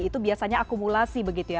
itu biasanya akumulasi begitu ya